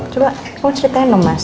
coba kamu ceritain dong mas